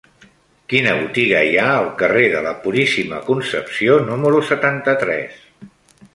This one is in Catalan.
Quina botiga hi ha al carrer de la Puríssima Concepció número setanta-tres?